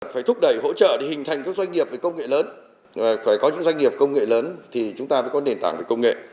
phải thúc đẩy hỗ trợ để hình thành các doanh nghiệp về công nghệ lớn phải có những doanh nghiệp công nghệ lớn thì chúng ta phải có nền tảng về công nghệ